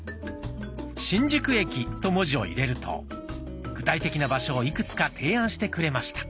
「新宿駅」と文字を入れると具体的な場所をいくつか提案してくれました。